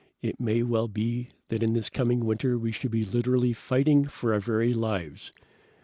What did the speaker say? It may well be that in this coming winter we shall be literally fighting for our very lives.